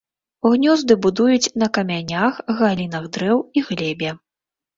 Гнёзды будуюць на камянях, галінах дрэў і глебе.